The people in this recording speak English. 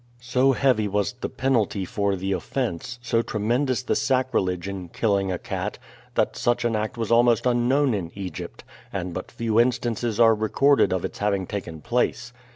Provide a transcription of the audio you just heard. So heavy was the penalty for the offense, so tremendous the sacrilege in killing a cat, that such an act was almost unknown in Egypt, and but few instances are recorded of its having taken place.